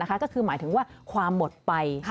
ก็คือหมายถึงว่าความหมดไป